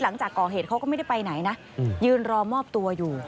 หลังจากก่อเหตุเขาก็ไม่ได้ไปไหนนะยืนรอมอบตัวอยู่